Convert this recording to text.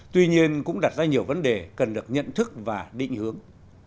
tuy nhiên cũng đặt ra nhiều vấn đề cần được nhận thức và định hướng